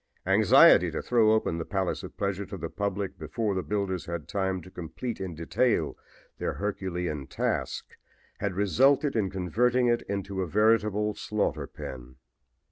Anxiety to throw open the palace of pleasure to the public before the builders had time to complete in detail their Herculean task had resulted in converting it into a veritable slaughter pen.